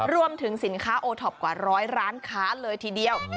รวมถึงสินค้าโอท็อปกว่าร้อยร้านค้าเลยทีเดียว